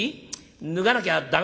脱がなきゃ駄目かい？」。